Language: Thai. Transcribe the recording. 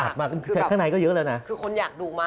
อัดมากข้างในก็เยอะเลยนะคือคนอยากดูมาก